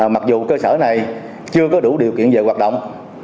mặc dù cơ sở này chưa có đủ điều kiện về hoạt động